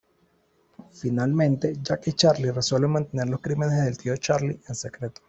Finalmente, Jack y Charlie resuelven mantener los crímenes del tío Charlie en secreto.